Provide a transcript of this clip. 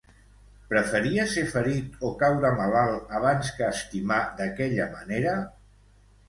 Preferia ser ferit o caure malalt abans que estimar d'aquella manera?